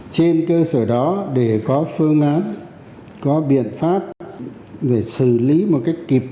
trên cơ sở đó để có phương án có biện pháp để xử lý một cách kịp